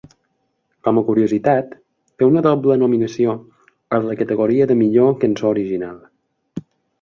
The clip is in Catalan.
Com a curiositat, té una doble nominació en la categoria de millor cançó original.